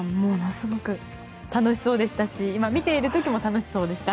すごく楽しそうでしたし今、見ている時も楽しそうでした。